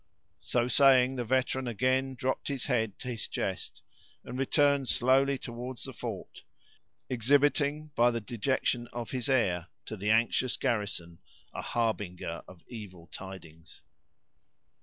So saying, the veteran again dropped his head to his chest, and returned slowly toward the fort, exhibiting, by the dejection of his air, to the anxious garrison, a harbinger of evil tidings.